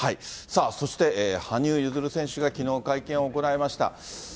さあ、そして、羽生結弦選手が、きのう会見を行いました。